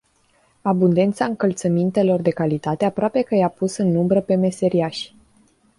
Abundența încălțămintelor de calitate aproape că i-a pus în umbră pe meserIași.